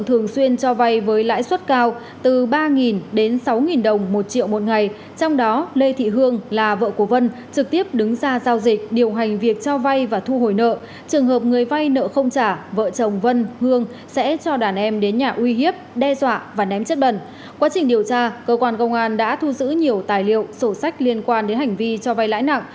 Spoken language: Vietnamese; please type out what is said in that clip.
trong quá trình điều tra cơ quan công an đã thu giữ nhiều tài liệu sổ sách liên quan đến hành vi cho vay lãi nặng